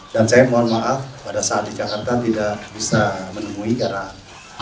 dan saya mohon maaf pada saat di jakarta tidak bisa menemui karena saya lagi di luar kota